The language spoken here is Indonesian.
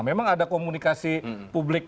memang ada komunikasi publik